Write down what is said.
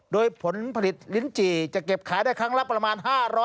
โดยผลผลิตลิ้นจี่จะเก็บขายได้ครั้งละประมาณ๕๐๐